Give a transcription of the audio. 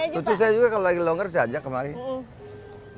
cuti saya juga kalau lagi longgar saya ajak kemarin